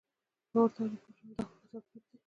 ما ورته وویل: پوه شوم، دا خو ډېر ښه توپیر دی.